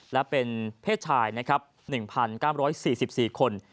และเป็นเพศชาย๑๙๔๔คน